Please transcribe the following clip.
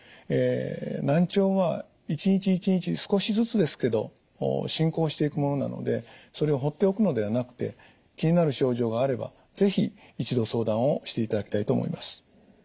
難聴は一日一日少しずつですけど進行していくものなのでそれを放っておくのではなくて気になる症状があれば是非一度相談をしていただきたいと思います。